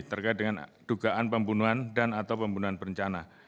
terkait dengan dugaan pembunuhan dan atau pembunuhan berencana